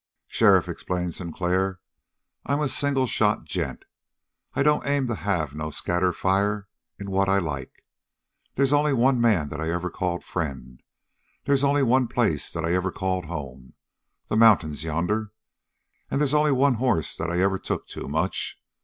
"Sheriff," explained Sinclair, "I'm a single shot gent. I don't aim to have no scatter fire in what I like. They's only one man that I ever called friend, they's only one place that I ever called home the mountains, yonder and they's only one hoss that I ever took to much.